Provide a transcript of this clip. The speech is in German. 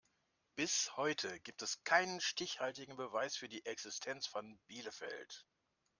Bis heute gibt es keinen stichhaltigen Beweis für die Existenz von Bielefeld.